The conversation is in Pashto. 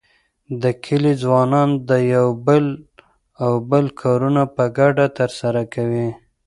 د کلي ځوانان د یو او بل کارونه په ګډه تر سره کوي.